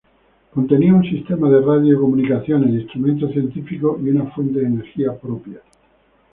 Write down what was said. Contenía un sistema de radio comunicaciones, instrumentos científicos y una fuente de energía propia.